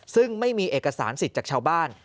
ซึ่งไม่มีเอกสารสิทธิ์จากชาวบ้าน